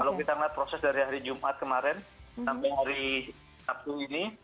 kalau kita melihat proses dari hari jumat kemarin sampai hari sabtu ini